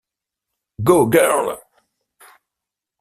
Go Girl!